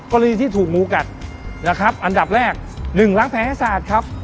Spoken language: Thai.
กรณีที่ถูกงูกัดนะครับอันดับแรก๑รังแพ้ให้สาดครับ